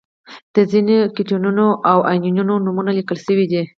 د ځینو کتیونونو او انیونونو نومونه لیکل شوي دي.